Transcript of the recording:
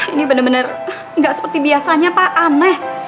ini bener bener gak seperti biasanya pak aneh